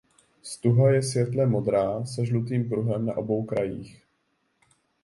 Stuha je světle modrá se žlutým pruhem na obou okrajích.